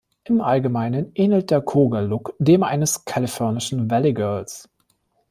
Im Allgemeinen ähnelt der Kogal-Look dem eines kalifornischen „Valley girls“.